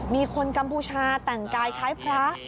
มีคนกัมพูชาแต่งกายคล้ายพระ